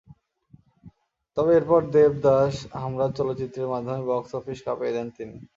তবে এরপর দেবদাস, হামরাজ চলচ্চিত্রের মাধ্যমে বক্স অফিস কাঁপিয়ে দেন তিনি।